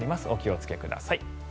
お気をつけください。